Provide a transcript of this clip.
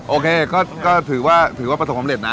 โอเคก็ถือว่าประสบความเร็จนะ